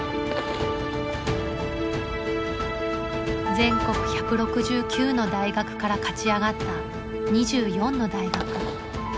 全国１６９の大学から勝ち上がった２４の大学。